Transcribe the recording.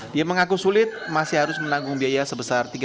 dia mengaku sulit masih harus menanggung biaya sebesar